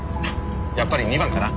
やっぱり２番かな？